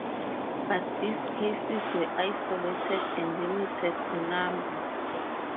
But these cases were isolated and limited to number.